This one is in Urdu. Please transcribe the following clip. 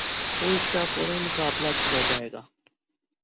تو اس کا فورا مقابلہ کیا جائے گا۔